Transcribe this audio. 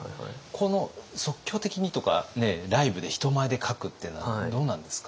この即興的にとかねライブで人前で描くっていうのはどうなんですか？